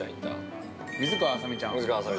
水川あさみさん。